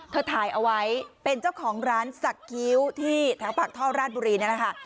ถ่ายเอาไว้เป็นเจ้าของร้านสักคิ้วที่แถวปากท่อราชบุรีนั่นแหละค่ะ